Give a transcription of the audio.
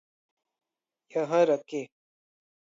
यह रखें।